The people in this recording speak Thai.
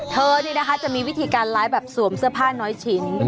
เธอนี่นะคะจะมีวิธีการไลฟ์แบบสวมเสื้อผ้าน้อยชิ้น